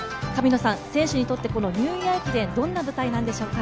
選手にとってニューイヤー駅伝、どんな舞台なんでしょうか？